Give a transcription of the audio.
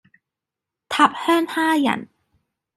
塔香蝦仁